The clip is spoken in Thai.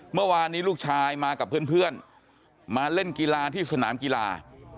เมื่อวานนี้ลูกชายมากับเพื่อนมาเล่นกีฬาที่สนามกีฬา